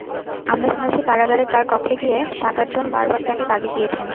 আমরা শুনেছি কারাগারে তাঁর কক্ষে গিয়ে সাতআটজন বারবার তাঁকে তাগিদ দিয়েছেন।